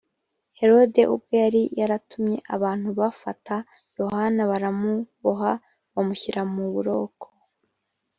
herode ubwe yari yaratumye abantu bafata yohana baramuboha bamushyira mu buroko